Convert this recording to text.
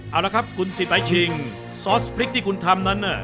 เอาละครับคุณสิตายชิงซอสพริกที่คุณทำนั้นน่ะ